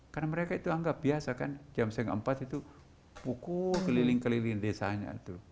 karena mereka itu anggap biasa kan jam setengah empat itu pukul keliling keliling desanya itu